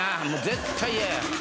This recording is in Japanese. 絶対嫌や。